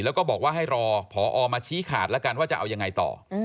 แล้วก็บอกว่าให้รอพอมาชี้ขาดแล้วกันว่าจะเอายังไงต่อ